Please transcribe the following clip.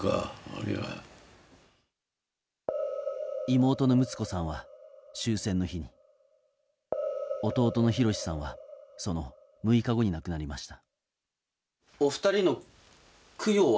妹の睦子さんは、終戦の日に弟の宏司さんはその６日後に亡くなりました。